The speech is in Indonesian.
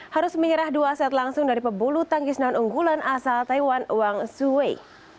harus menyerah dua set langsung dari pebulu tangkis non unggulan asal taiwan wang suwei